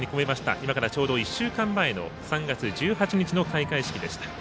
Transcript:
今からちょうど１週間前の３月１８日の開会式でした。